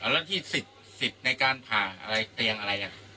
แล้วที่ศิษย์ในการผ่าเตียงอะไร